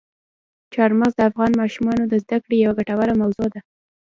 چار مغز د افغان ماشومانو د زده کړې یوه ګټوره موضوع ده.